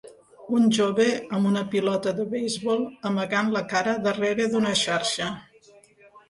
Un jove amb una pilota de beisbol amagant la cara darrere d'una xarxa.